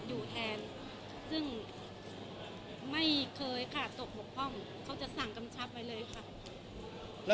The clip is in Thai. อยู่แทนไม่เคยกะตกหมกห้องเขาจะสั่งกำชับไปเลยค่ะ